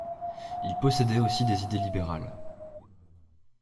Ils possédaient aussi des idées libérales.